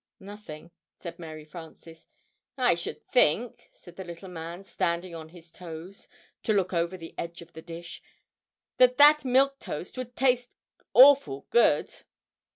"Nothing," said Mary Frances. "I should think," said the little man, standing on his toes, to look over the edge of the dish, "that that Milk Toast would taste awful good!"